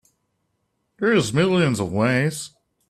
There's millions of ways.